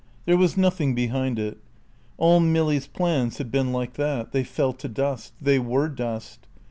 There was nothing behind it. All Milly's plans had been like that; they fell to dust; they were dust.